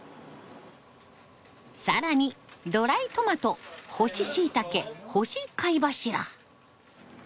更にドライトマト干ししいたけ干し貝柱。